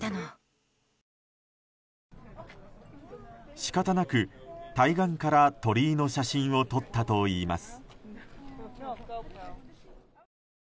仕方なく、対岸から鳥居の写真を撮ったといいます。